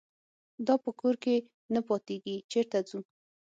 دا په کور کې نه پاتېږي چېرته ځو.